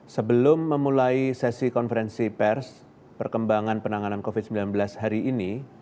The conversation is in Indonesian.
sebelum memulai sesi konferensi pers perkembangan penanganan covid sembilan belas hari ini